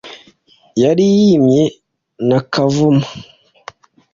yari yimye na kavuma.